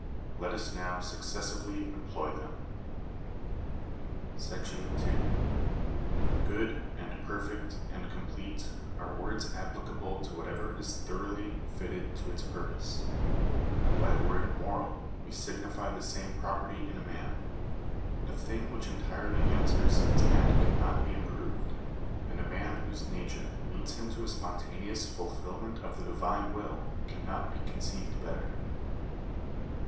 Let us now successively employ them. Digitized by VjOOQIC THE DUTY OF THE STATE. 251 §2. Good, and perfect, and complete, are words applicable to whatever is thoroughly fitted to its purpose ; and by the word moral we signify the same property in a man. A thing which entirely answers its end cannot be improved ; and a man whose nature leads him to a spontaneous fulfilment of the Divine will cannot be conceived better.